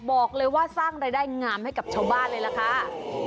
บอกเลยว่าสร้างรายได้งามให้กับชาวบ้านเลยล่ะค่ะ